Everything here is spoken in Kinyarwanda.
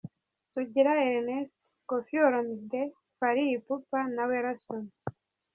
Sugira Ernest: Koffi Olomide, Fally Ipupa na Wellason.